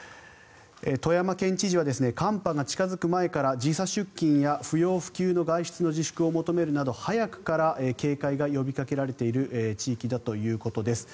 富山県知事は寒波が近付く前から時差出勤や不要不急の外出の自粛を求めるなど早くから警戒が呼びかけられている地域だということです。